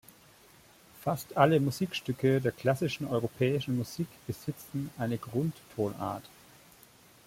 Fast alle Musikstücke der klassischen europäischen Musik besitzen eine Grundtonart.